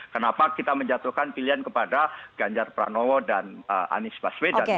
kenapa kita menjatuhkan pilihan kepada ganjar pranowo dan anies baswedan